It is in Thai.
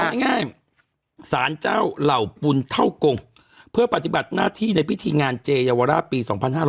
เอาง่ายสารเจ้าเหล่าปุณเท่ากงเพื่อปฏิบัติหน้าที่ในพิธีงานเจเยาวราชปี๒๕๕๙